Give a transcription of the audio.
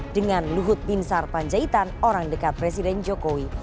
dengan luhut bin sar panjaitan orang dekat presiden jokowi